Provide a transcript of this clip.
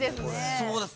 そうです